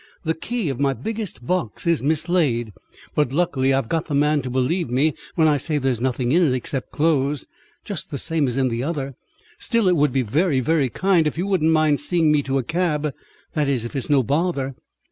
"The key of my biggest box is mislaid, but luckily I've got the man to believe me when I say there's nothing in it except clothes, just the same as in the other. Still it would be very, very kind if you wouldn't mind seeing me to a cab. That is, if it's no bother."